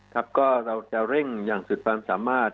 ครับก็เราจะเร่งอย่างสุดความสามารถ